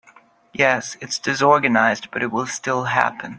Yes, it’s disorganized but it will still happen.